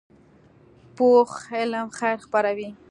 پوخ علم خیر خپروي